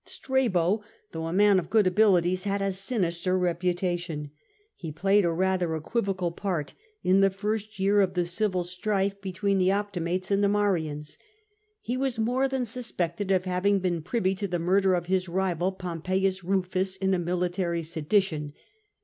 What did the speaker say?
Strabo, though a man of good abilities, had a sinister reputation. He played a rather equivocal part in the first year of the civil war between 238 POMPEY the Optimates and the Marians. He was more than suspected of having been privy to the murder of his rival, Pompeius Eufus, in a military sedition.